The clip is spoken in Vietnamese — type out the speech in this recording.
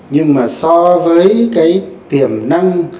nhưng mà so với cái tiềm năng